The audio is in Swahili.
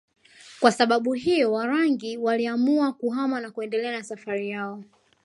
Kwa sababu hiyo Warangi waliamua kuhama na kuendelea na safari yao